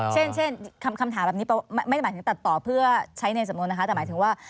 เช่นเช่นคำถามกลางทุกข์ไม่หมายถึงตัดต่อเพื่อใช้ในสำนวนแต่หมายถึงว่า